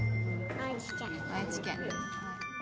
愛知県。